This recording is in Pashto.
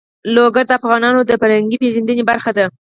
لوگر د افغانانو د فرهنګي پیژندنې برخه ده.